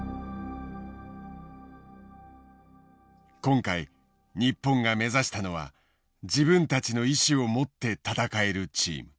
今回日本が目指したのは自分たちの意思を持って戦えるチーム。